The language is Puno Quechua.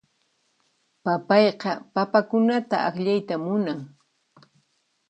Papayqa papakunata akllayta munan.